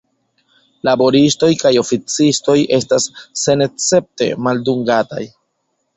Laboristoj kaj oﬁcistoj estas senescepte maldungataj.